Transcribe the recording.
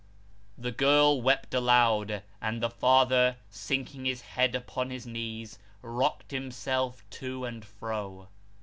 The girl wept aloud; and the father, sinking his head upon his knees, rocked himself to and fro.